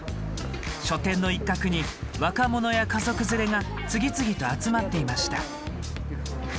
書店の一角に若者や家族連れが次々と集まっていました。